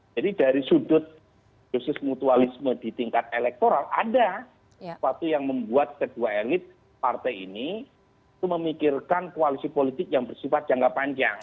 jadi dari sudut basis mutualisme di tingkat elektoral ada sesuatu yang membuat kedua elit partai ini itu memikirkan koalisi politik yang bersifat jangka panjang